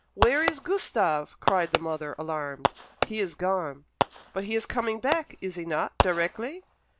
"Where is Gustave?" cried the mother, alarmed. "He is gone." "But he is coming back, is he not, directly?"